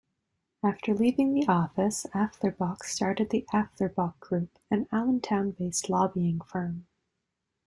After leaving office, Afflerbach started the Afflerbach Group, an Allentown-based lobbying firm.